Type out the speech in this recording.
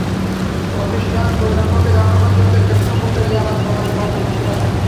ভবিষ্যৎ প্রজন্মকে রক্ষা করতে হলে যেকোনো মূল্যে ইয়াবা চোরাচালান বন্ধ করতে হবে।